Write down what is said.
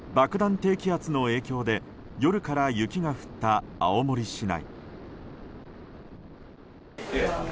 低気圧の影響で夜から雪が降った青森市内。